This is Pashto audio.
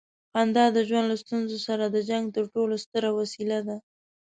خندا د ژوند له ستونزو سره د جنګ تر ټولو ستره وسیله ده.